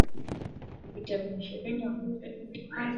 Vita vya M ishirini na tatu vilianza mwaka elfu mbili kumi na mbili